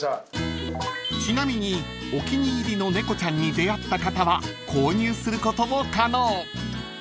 ［ちなみにお気に入りの猫ちゃんに出合った方は購入することも可能］